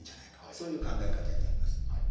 そういう考え方になります。